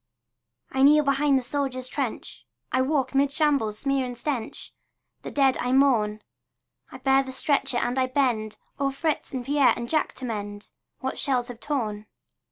I kneel behind the soldier's trench, I walk 'mid shambles' smear and stench, The dead I mourn; I bear the stretcher and I bend O'er Fritz and Pierre and Jack to mend What shells have torn.